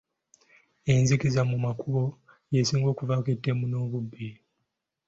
Enzikiza ku makubo y'esinga okuvaako ettemu n'obubbi.